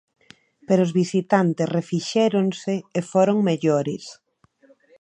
Pero os visitantes refixéronse e foron mellores.